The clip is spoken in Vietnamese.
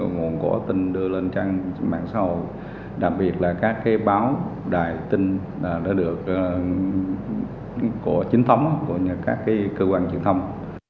nguồn của tình đưa lên trang mạng xã hội đặc biệt là các cái báo đài tin đã được của chính thống của các cơ quan truyền thông